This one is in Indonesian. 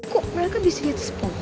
kok mereka disini terspon